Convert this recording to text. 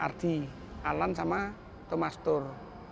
hermawan sama ardi alan sama thomas thur